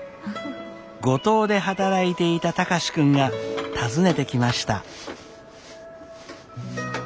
五島で働いていた貴司君が訪ねてきました。